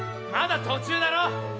まだ途中だろ？